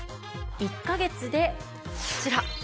１カ月でこちら。